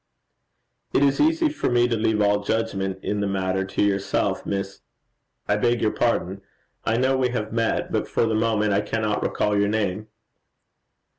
'It is easy for me to leave all judgment in the matter to yourself, Miss I beg your pardon; I know we have met; but for the moment I cannot recall your name.'